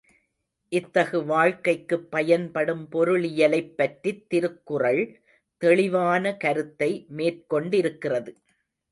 இத்தகு வாழ்க்கைக்குப் பயன்படும் பொருளியலைப் பற்றித் திருக்குறள் தெளிவான கருத்தை மேற்கொண்டிருக்கிறது.